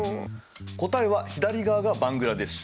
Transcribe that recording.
答えは左側がバングラデシュ。